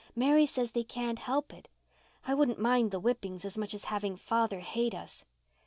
Mary says they can't help it. I wouldn't mind the whippings so much as having father hate us."